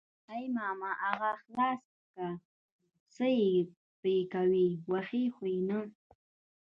ای ماما اغه خلاص که څه پې کوي وهي خو يې نه.